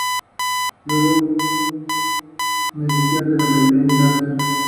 Muchos sistemas religiosos y mitológicos contienen mitos acerca de un paraíso.